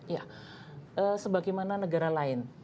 ya sebagaimana negara lain